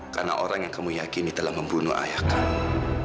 karena orang yang kamu yakini telah membunuh ayah kamu